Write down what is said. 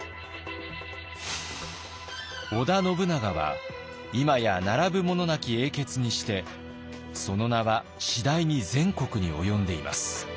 「織田信長は今や並ぶものなき英傑にしてその名は次第に全国に及んでいます」。